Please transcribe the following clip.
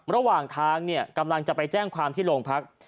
ระหว่างทางเนี่ยกำลังจะไปแจ้งความที่โรงพัก